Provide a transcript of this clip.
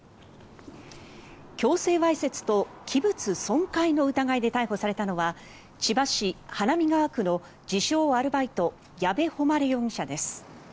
強制わいせつと器物損壊の疑いで逮捕されたのは千葉市花見川区の自称・アルバイト矢部誉容疑者です。